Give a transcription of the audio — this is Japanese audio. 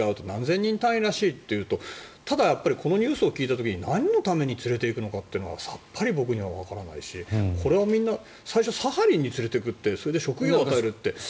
何千人単位らしいというとただ、このニュースを聞いた時になんのために連れていくのかってさっぱり僕はわからないしこれは、みんな最初サハリンに連れていくってそれで職業を与えるって。